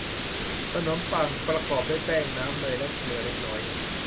ขนมปัง ประกอบด้วยแป้ง น้ำ เนย และเกลือเล็กน้อย